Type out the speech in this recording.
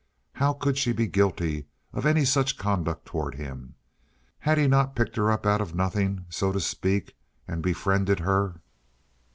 How could she be guilty of any such conduct toward him? Had he not picked her up out of nothing, so to speak, and befriended her?